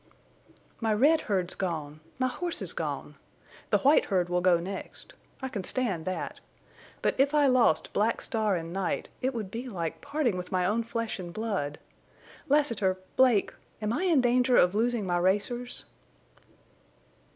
"My red herd's gone! My horses gone! The white herd will go next. I can stand that. But if I lost Black Star and Night, it would be like parting with my own flesh and blood. Lassiter—Blake—am I in danger of losing my racers?"